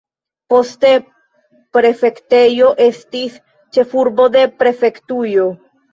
Poste, prefektejo estis ĉefurbo de prefektujo.